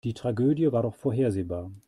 Die Tragödie war doch vorhersehbar.